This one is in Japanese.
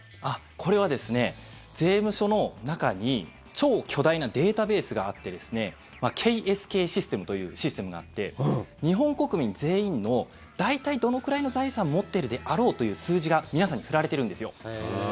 これはですね、税務署の中に超巨大なデータベースがあってＫＳＫシステムというシステムがあって日本国民全員の大体どのくらいの財産持ってるであろうという数字が皆さんに振られてるんですよ。